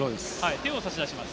手を差し出します。